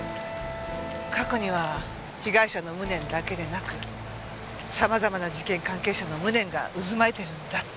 過去には被害者の無念だけでなくさまざまな事件関係者の無念が渦巻いてるんだって。